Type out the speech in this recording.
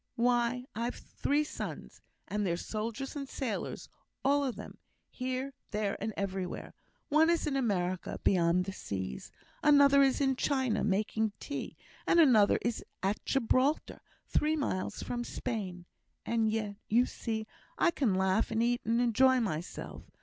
Why, I've three sons, and they're soldiers and sailors, all of them here, there, and everywhere. One is in America, beyond seas; another is in China, making tea; and another is at Gibraltar, three miles from Spain; and yet, you see, I can laugh and eat and enjoy myself.